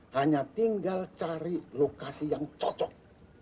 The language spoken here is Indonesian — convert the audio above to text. hanya tinggal cari lokasi yang cocok